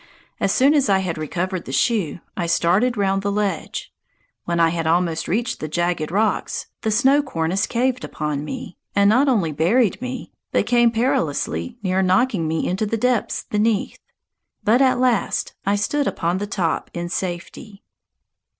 As soon as I had recovered the shoe, I started round the ledge. When I had almost reached the jagged rocks, the snow cornice caved upon me, and not only buried me, but came perilously near knocking me into the depths beneath. But at last I stood upon the top in safety.